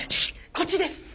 こっちです。